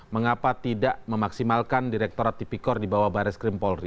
mengapa tidak memaksimalkan direkturat tipikor di bawah baris krim polri